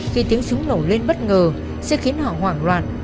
khi tiếng súng nổ lên bất ngờ sẽ khiến họ hoảng loạn